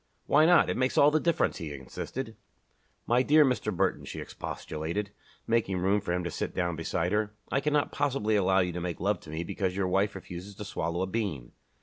"Why not? It makes all the difference," he insisted. "My dear Mr. Burton," she expostulated, making room for him to sit down beside her, "I cannot possibly allow you to make love to me because your wife refuses to swallow a bean!"